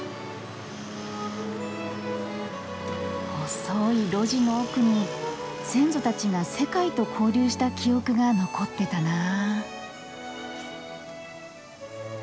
細い路地の奥に先祖たちが世界と交流した記憶が残ってたなあ。